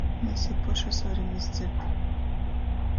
Mes i pošys varim izdzert!